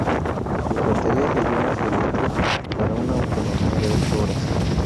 Sus baterías de iones de litio para una autonomía de ocho horas.